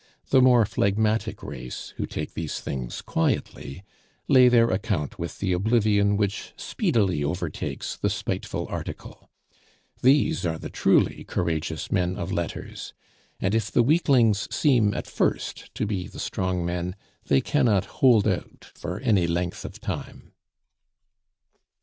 The more phlegmatic race, who take these things quietly, lay their account with the oblivion which speedily overtakes the spiteful article. These are the truly courageous men of letters; and if the weaklings seem at first to be the strong men, they cannot hold out for any length of time.